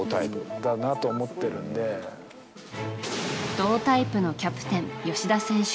動タイプのキャプテン吉田選手。